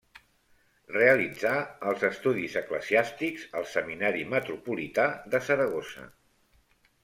Realitzà els estudis eclesiàstics al Seminari Metropolità de Saragossa.